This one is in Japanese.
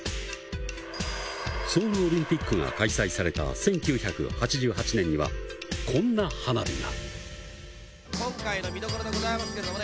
ソウルオリンピックが開催された１９８８年には、こんな花火が。